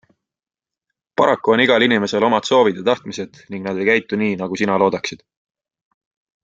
Paraku on igal inimesel omad soovid ja tahtmised ning nad ei käitu nii, nagu sina loodaksid.